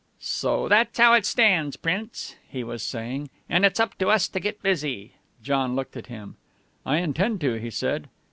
"So that's how it stands, Prince," he was saying, "and it's up to us to get busy." John looked at him. "I intend to," he said.